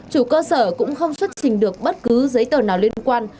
chủ cơ sở cũng không xuất trình được bất cứ giấy tờ nào liên quan